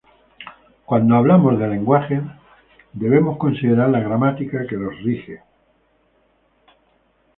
Cuando hablamos de lenguajes debemos considerar la gramática que los rigen.